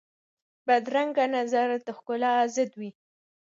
بدرنګه نظر د ښکلا ضد وي